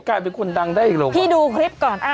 กลายเป็นคนดังได้อีกหลงพี่ดูคลิปก่อน